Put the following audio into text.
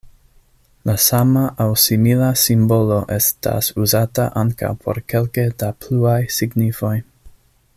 La sama aŭ simila simbolo estas uzata ankaŭ por kelke da pluaj signifoj.